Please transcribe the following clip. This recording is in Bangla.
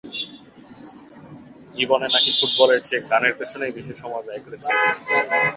জীবনে নাকি ফুটবলের চেয়ে গানের পেছনেই বেশি সময় ব্যয় করেছেন তিনি।